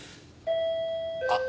あっ！